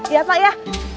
iya pak ya